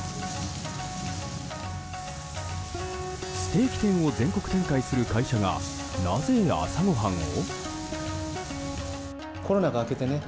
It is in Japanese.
ステーキ店を全国展開する会社がなぜ朝ごはんを？